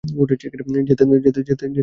যেতে দে ওনাকে।